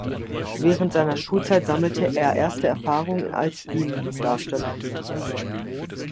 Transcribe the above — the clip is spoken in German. Während seiner Schulzeit sammelte er erste Erfahrungen als Bühnendarsteller.